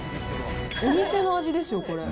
お店の味ですよ、これ。